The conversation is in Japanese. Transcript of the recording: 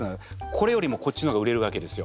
これよりもこっちの方が売れるわけですよ。